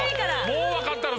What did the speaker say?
もう分かったろ！